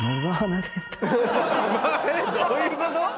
どういうこと⁉えっ⁉